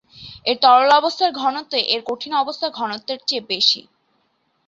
এর তরল অবস্থার ঘনত্ব এর কঠিন অবস্থার ঘনত্বের চেয়ে বেশি।